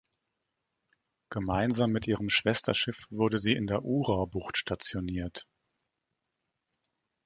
Gemeinsam mit ihrem Schwesterschiff wurde sie in der Ura-Bucht stationiert.